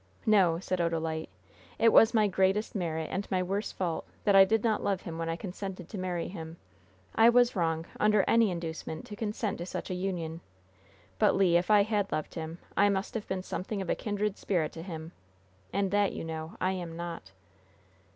"No," said Odalite. "It was my greatest merit and my worst fault that I did not love him when I consented to marry him. I was wrong, under any inducement, to consent to such a union; but, Le, if I had loved him, I must have been something of a kindred spirit to him! And that, you know, I am not."